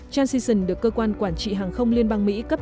transition được cơ quan quản trị hàng không liên bang mỹ cấp